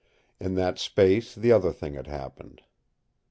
In that space the other thing had happened.